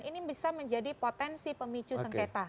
ini bisa menjadi potensi pemicu sengketa